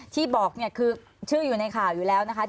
ที่บอกเนี่ยคือชื่ออยู่ในข่าวอยู่แล้วนะคะ